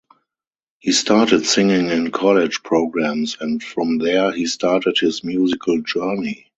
He started singing in college programs and from there he started his musical journey.